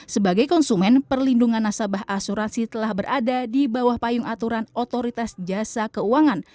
sebagai konsumen perlindungan nasabah asuransi telah berada di bawah payung aturan otoritas jasa keuangan